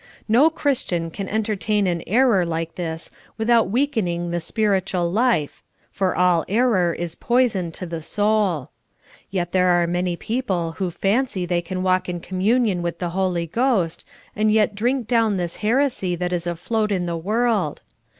No Christian can entertain an error like this with out weakening the spiritual life, for all error is poison to the soul. Yet there are many people who fancy the}' can walk in communion with the Holy Ghost, and yet drink down this heresy that is afloat in the world.